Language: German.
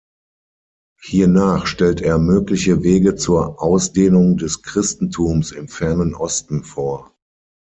Hiernach stellt er mögliche Wege zur Ausdehnung des Christentums im Fernen Osten vor.